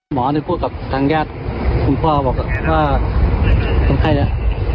หว่าหมอกุพี่หญิงด้วย